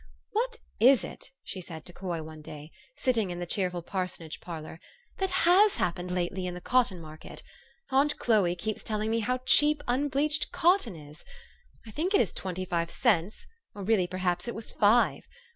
4 'What is it," she said to Coy one day, sitting in the cheerful parsonage parlor, " that has happened lately in the cotton market? Aunt Chloe keeps telling me how cheap unbleached cotton is. I think it is twenty five cents, or really, perhaps it was five.